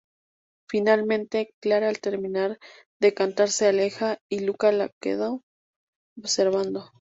Finalmente Clara al terminar de cantar se aleja y Luca la queda observando.